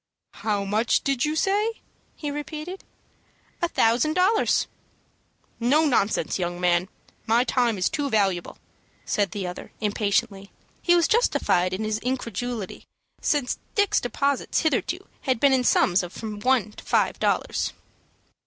"How much did you say?" he repeated. "A thousand dollars." "No nonsense, young man! My time is too valuable," said the other, impatiently. He was justified in his incredulity, since Dick's deposits hitherto had been in sums of from one to five dollars.